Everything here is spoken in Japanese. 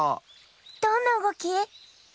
どんなうごき？